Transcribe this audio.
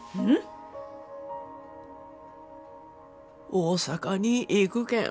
大阪に行くけん。